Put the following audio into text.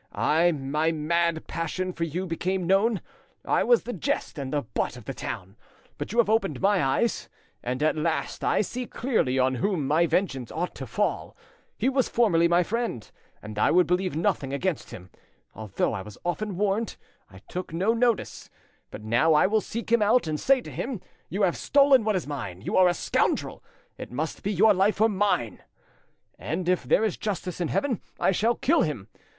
My mad passion for you became known; I was the jest and the butt of the town. But you have opened my eyes, and at last I see clearly on whom my vengeance ought to fall. He was formerly my friend, and I would believe nothing against him; although I was often warned, I took no notice. But now I will seek him out, and say to him, 'You have stolen what was mine; you are a scoundrel! It must be your life, or mine!' And if, there is justice in heaven, I shall kill him!